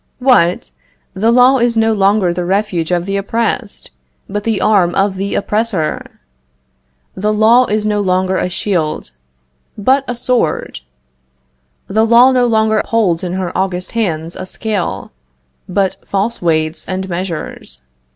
What! the law is no longer the refuge of the oppressed, but the arm of the oppressor! The law is no longer a shield, but a sword! The law no longer holds in her august hands a scale, but false weights and measures!